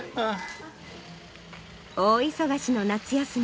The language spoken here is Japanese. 大忙しの夏休み。